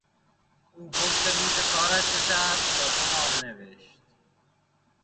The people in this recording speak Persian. او پشت میز کارش نشست و دو نامه نوشت.